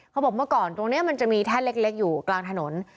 เขาบอกเมื่อก่อนตรงนี้มันจะมีแท่นเล็กอยู่กลางถนน